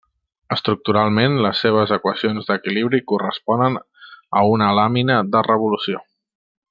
Estructuralment, les seves equacions d'equilibri corresponen a una làmina de revolució.